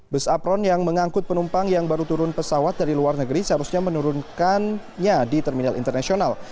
bus apron yang mengangkut penumpang yang baru turun pesawat dari luar negeri seharusnya menurunkannya di terminal internasional